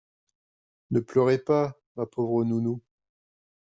«Ne pleurez pas, ma pauvre nounou.